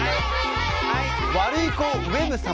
ワルイコウェブ様。